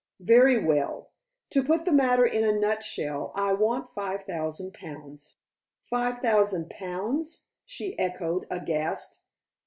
"Very well. To put the matter in a nutshell, I want five thousand pounds." "Five thousand pounds!" she echoed, aghast.